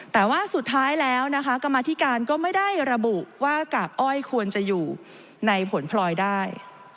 แต่ว่าสุดท้ายแล้วนะคะกรรมธิการก็ไม่ได้ระบุว่ากาบอ้อยควรจะอยู่ในผลพลอยได้